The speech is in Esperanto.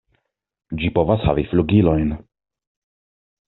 Ĝi povas havi flugilojn.